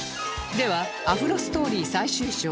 ではアフロストーリー最終章